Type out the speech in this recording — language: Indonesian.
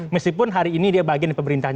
meskipun hari ini dia bagian di pemerintahnya